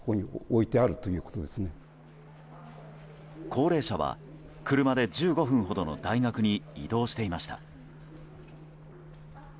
高齢者は車で１５分ほどの大学に移動していました。